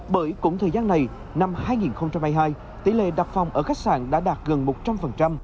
bởi cũng thời gian này năm hai nghìn hai mươi hai tỷ lệ đặt phòng ở khách sạn đã đạt gần một trăm linh